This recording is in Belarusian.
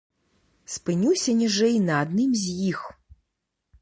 Спынюся ніжэй на адным з іх.